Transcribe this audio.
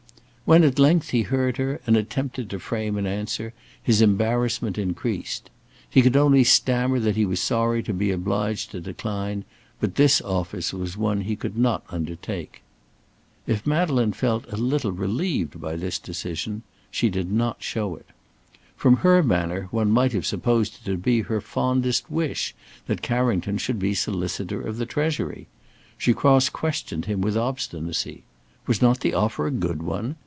When at length he heard her and attempted to frame an answer, his embarrassment increased. He could only stammer that he was sorry to be obliged to decline, but this office was one he could not undertake. If Madeleine felt a little relieved by this decision, she did not show it. From her manner one might have supposed it to be her fondest wish that Carrington should be Solicitor of the Treasury. She cross questioned him with obstinacy. Was not the offer a good one?